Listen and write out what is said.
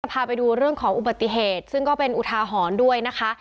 พาไปดูเรื่องของอุบัติเหตุซึ่งก็เป็นอุทาหรณ์ด้วยนะคะ